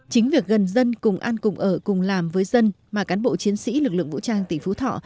chính việc gần dân cùng ăn cùng ở cùng làm với dân mà cán bộ chiến sĩ lực lượng vũ trang tỉnh phú thọ